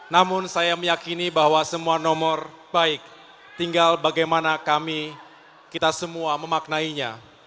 namun saya meyakini bahwa semua nomor baik tinggal bagaimana kami kita semua memaknainya